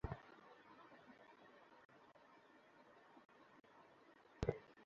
তবে এখন ফৌজদারহাট বক্ষব্যাধি হাসপাতাল ক্যাম্পাসে বিশ্ববিদ্যালয় স্থাপনের সম্ভাব্যতা খতিয়ে দেখা হচ্ছে।